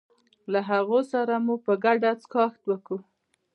له هغو سره مو په ګډه څښاک وکړ.